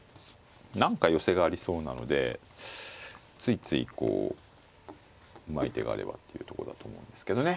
何か寄せがありそうなのでついついうまい手があればというとこだと思うんですけどね。